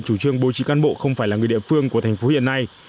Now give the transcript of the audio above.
chủ trương bố trí cán bộ không phải là người địa phương của thành phố hiện nay